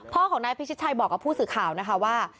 พ่อของนายพิชิตชัยบอกกับผู้สื่อข่าวนะคะว่า